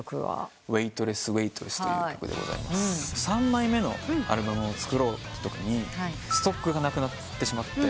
３枚目のアルバムを作ろうってときにストックがなくなってしまって。